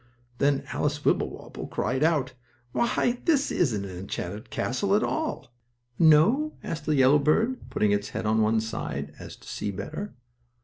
Then Alice Wibblewobble cried out! "Why, this isn't an enchanted castle at all!" "No?" asked the yellow bird, putting its head on one side, so as to see better.